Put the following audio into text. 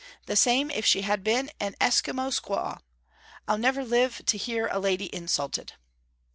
The same if she had been an Esquimaux squaw. I'll never live to hear a lady insulted.'